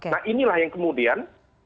nah inilah yang kemudian